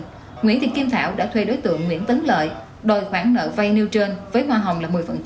trước đó nguyễn thị kim thảo đã thuê đối tượng nguyễn tấn lợi đòi khoản nợ vây nêu trên với hoa hồng là một mươi